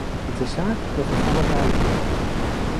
Het is zaak dat we van elkaar leren.